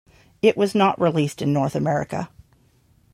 It was not released in North America.